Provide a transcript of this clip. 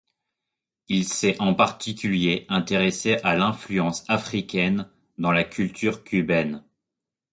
Il s'est en particulier intéressé à l'influence africaine dans la culture cubaine.